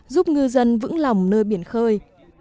giúp ngư dân vững lòng nơi biển khơi